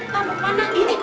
masih biasa mana ini